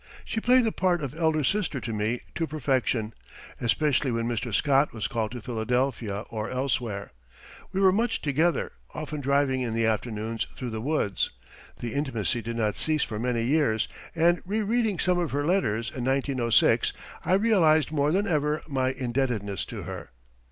She played the part of elder sister to me to perfection, especially when Mr. Scott was called to Philadelphia or elsewhere. We were much together, often driving in the afternoons through the woods. The intimacy did not cease for many years, and re reading some of her letters in 1906 I realized more than ever my indebtedness to her.